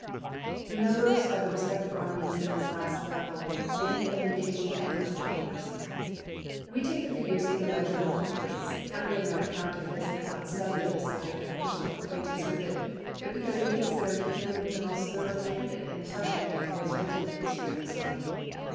The numbers of the respective armies in this last grapple have been the occasion of endless contro versy. We take the figures given by General Humphreys — not merely on account of his pro found study of the subject and personal acquaint ance with it, but because we consider him the most thoroughly candid and impartial man who has written the history of this army.